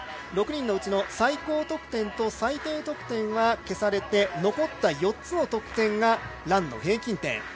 ６人のうちの最高得点と最低得点は消されて残った４つの得点が、欄の平均点。